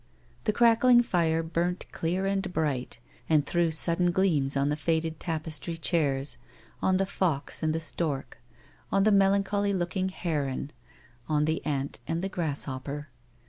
The crackling fire burnt clear and bright, and threw sudden gleams on the faded tapestry chairs, on the fox and the stork, on the melancholy looking heron, on the ant and the grasshopper.